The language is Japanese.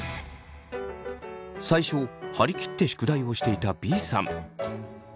最初張り切って宿題をしていたＢさん。